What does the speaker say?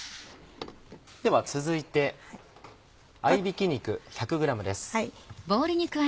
では続いて合びき肉１００ｇです。